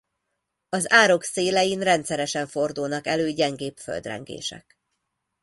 Az árok szélein rendszeresen fordulnak elő gyengébb földrengések.